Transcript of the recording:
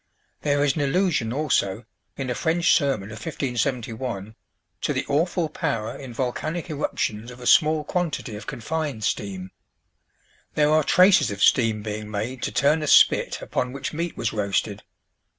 There is an allusion, also, in a French sermon of 1571, to the awful power in volcanic eruptions of a small quantity of confined steam. There are traces of steam being made to turn a spit upon which meat was roasted.